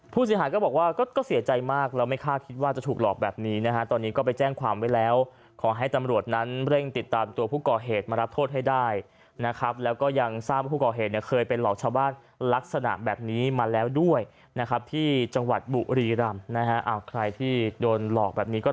ผู้เสียหายก็บอกว่าก็เสียใจมากแล้วไม่คาดคิดว่าจะถูกหลอกแบบนี้นะฮะตอนนี้ก็ไปแจ้งความไว้แล้วขอให้ตำรวจนั้นเร่งติดตามตัวผู้ก่อเหตุมารับโทษให้ได้นะครับแล้วก็ยังทราบว่าผู้ก่อเหตุเนี่ยเคยเป็นหลอกชาวบ้านลักษณะแบบนี้มาแล้วด้วยนะครับที่จังหวัดบุรีรำนะฮะใครที่โดนหลอกแบบนี้ก็